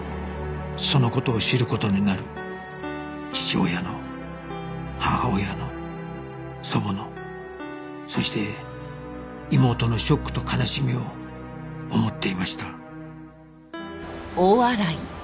その事を知る事になる父親の母親の祖母のそして妹のショックと悲しみを思っていました